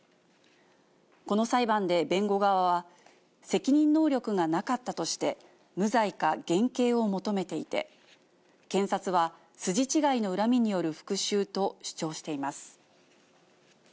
この裁判で弁護側は、責任能力がなかったとして、無罪か減軽を求めていて、検察は、筋違いの恨みによる復しゅうと主張しています。